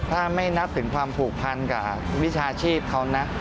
ถ้าไม่นับถึงความผูกพันกับวิชาชีพเขานะ